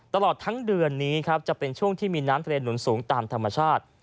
ตลอดทั้งเดือนนี้ครับจะเป็นช่วงที่มีน้ำทะเลหนุนสูงตามธรรมชาติ